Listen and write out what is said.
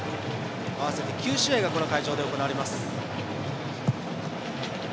合わせて９試合がこの会場で行われます。